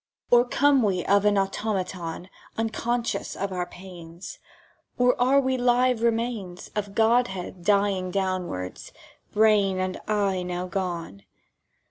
"Or come we of an Automaton Unconscious of our pains? ... Or are we live remains Of Godhead dying downwards, brain and eye now gone?